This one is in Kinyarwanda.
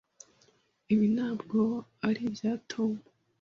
Ibi ntabwo ari ibya Tom.